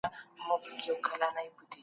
که عدالت نه وي نو ټولنه شړيږي.